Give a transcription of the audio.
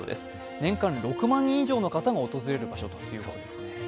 年間６万人以上の方が訪れる場所だということです。